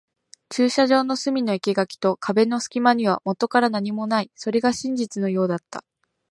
駐車場の隅の生垣と壁の隙間にはもとから何もない。それが事実のようだった。